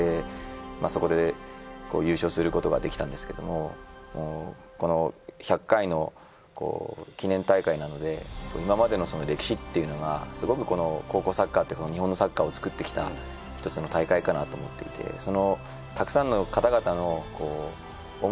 そこで優勝することができたんですけどもこの１００回の記念大会なので今までの歴史っていうのがすごく高校サッカー日本のサッカーを作ってきた１つの大会かなと思っていてその。